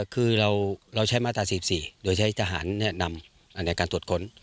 คือเราใช้มาตรา๔๔โดยใช้ทหารแนะนำในการตรวจค้น